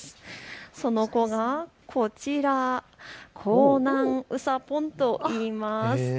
その子がこちら、こうなんうさぽんといいます。